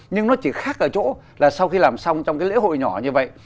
nhưng nó chỉ khác ở chỗ là sau khi làm xong trong cái lễ hội nhỏ như vậy